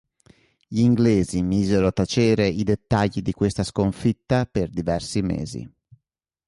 Gli inglesi misero a tacere i dettagli di questa sconfitta per diversi mesi.